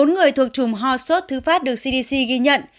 bốn người thuộc trùm hò sốt thứ phát được cdc ghi nhận